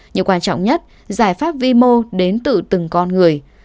nhưng quan trọng nhất giải pháp vĩ mô đến từ từng con người